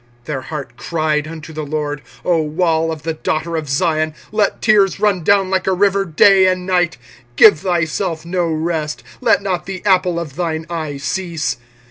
25:002:018 Their heart cried unto the LORD, O wall of the daughter of Zion, let tears run down like a river day and night: give thyself no rest; let not the apple of thine eye cease.